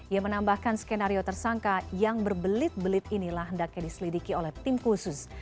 ia menambahkan skenario tersangka yang berbelit belit inilah hendaknya diselidiki oleh tim khusus